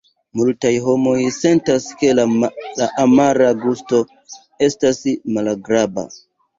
Multaj homoj sentas ke la amara gusto estas malagrabla.